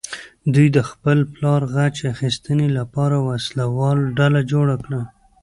دوی د خپل پلار غچ اخیستنې لپاره وسله واله ډله جوړه کړه.